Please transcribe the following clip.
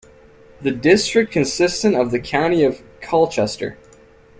The district consisted of the County of Colchester.